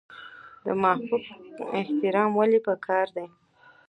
د مافوق احترام ولې پکار دی؟